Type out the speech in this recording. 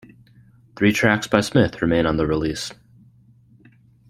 Three tracks by Smith remain on the release.